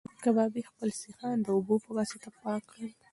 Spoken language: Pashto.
کبابي خپل سیخان د اوبو په واسطه پاک کړل.